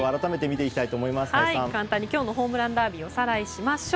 今日のホームランダービーをおさらいしましょう。